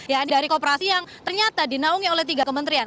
ya dari kooperasi yang ternyata dinaungi oleh tiga kementerian